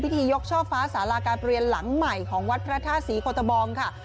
พิธียกเช่าฟ้าศาลาการเรียนหลังใหม่ของวัดพระท่าศรีโคตบองค่ะ